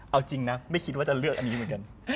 เอาจริงนะไม่คิดว่าจะเลือกอันนี้เหมือนกัน